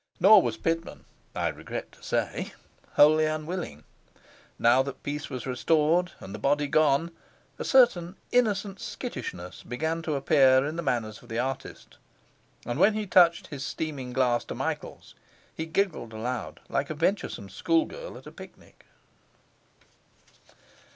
Nor was Pitman (I regret to say) wholly unwilling. Now that peace was restored and the body gone, a certain innocent skittishness began to appear in the manners of the artist; and when he touched his steaming glass to Michael's, he giggled aloud like a venturesome schoolgirl at a picnic.